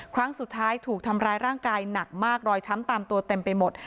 ครั้งสุดท้ายถูกทำร้ายร่างกายหนักมากรอยช้ำตามตัวเต็มไปหมด